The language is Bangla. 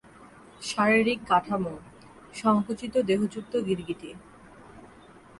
শারীরিক কাঠামো: সংকুচিত-দেহযুক্ত গিরগিটি।